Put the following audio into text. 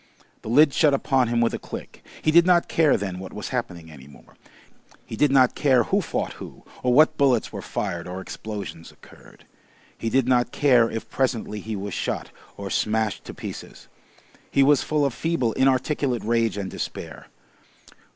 The lid shut upon him with a click. He did not care then what was happening any more. He did not care who fought who, or what bullets were fired or explosions occurred. He did not care if presently he was shot or smashed to pieces. He was full of feeble, inarticulate rage and despair.